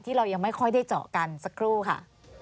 เรายังไม่ค่อยได้เจาะกันสักครู่ค่ะ